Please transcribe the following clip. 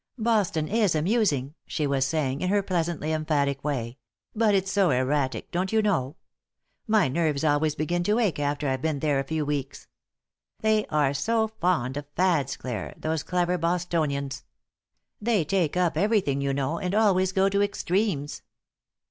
"Boston is amusing," she was saying, in her pleasantly emphatic way, "but it's so erratic, don't you know. My nerves always begin to ache after I've been there a few weeks. They are so fond of fads, Clare, those clever Bostonians! They take up everything, you know, and always go to extremes."